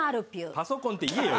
パソコンって言えよ。